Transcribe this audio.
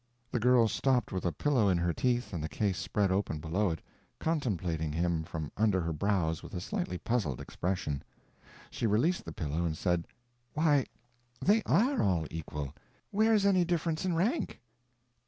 The girl stopped with a pillow in her teeth and the case spread open below it, contemplating him from under her brows with a slightly puzzled expression. She released the pillow and said: "Why, they are all equal. Where's any difference in rank?"